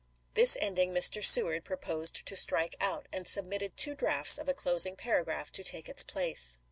This ending Mr. Seward pro posed to strike out, and submitted two drafts of a closing paragraph to take its place.